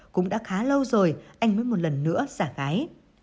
cũng đã khá lâu rồi anh mới một lần nữa giả gái